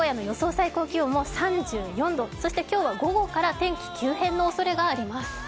最高気温も３４度、そして今日は午後から天気急変のおそれがあります。